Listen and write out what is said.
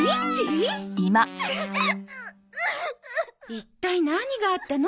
一体何があったの？